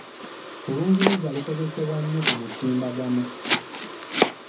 Olungereza lukozesebwa nnyo ku mutimbagano.